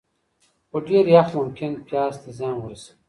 خو ډېر یخ ممکن پیاز ته زیان ورسوي.